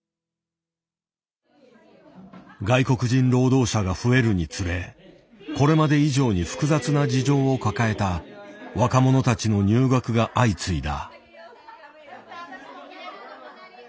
外国人労働者が増えるにつれこれまで以上に複雑な事情を抱えた若者たちの入学が相次いだ。